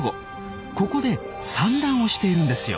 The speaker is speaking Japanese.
ここで産卵をしているんですよ。